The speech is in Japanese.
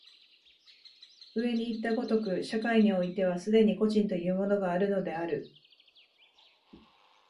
上にいった如く、社会においては既に個人というものがあるのである。